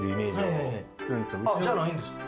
じゃないんですか？